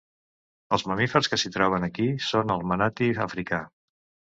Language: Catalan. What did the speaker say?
Els mamífers que s'hi troben aquí són el manatí africà.